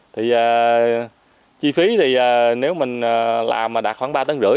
thì chi phí thì nếu mình làm mà đạt khoảng ba tấn rưỡi